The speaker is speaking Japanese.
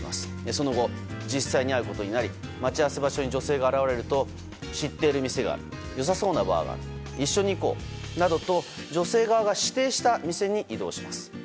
その後、実際に会うことになり待ち合わせ場所に女性が現れると知っている店がある良さそうなバーがある一緒に行こうなどと女性側が指定した店に移動します。